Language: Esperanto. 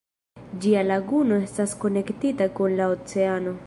Ĝia laguno estas konektita kun la oceano.